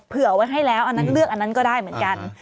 เผื่อไว้ให้แล้วอันนั้นเลือกอันนั้นก็ได้เหมือนกัน